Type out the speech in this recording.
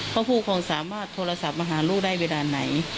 ผู้ครองสามารถโทรศัพท์มาหาลูกได้เวลาไหน